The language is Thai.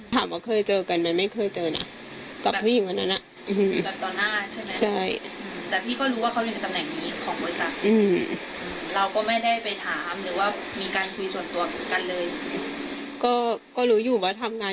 ถามว่าเคยเจอกันไหมไม่เคยเจอน่ะกับผู้หญิงวันนั้น